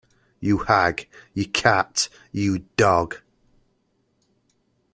You hag, you cat, you dog!